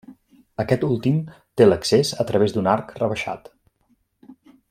Aquest últim té l'accés a través d'un arc rebaixat.